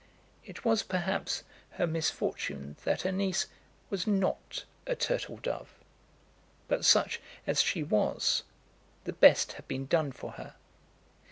It was, perhaps, her misfortune that her niece was not a turtle dove; but, such as she was, the best had been done for her.